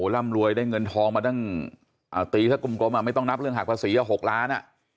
ร่ำรวยได้เงินทองมาตั้งตีถ้ากลมไม่ต้องนับเรื่องหักภาษี๖ล้าน